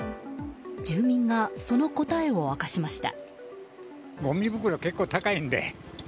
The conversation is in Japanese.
住民がその答えを明かしました。